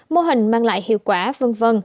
mô hình mang lại hiệu quả v v